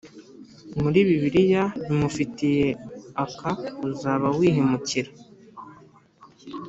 muri Bibiliya bimufitiye akauzaba wihemukira